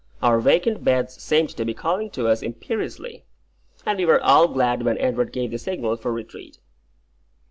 Our vacant beds seemed to be calling to us imperiously; and we were all glad when Edward gave the signal for retreat.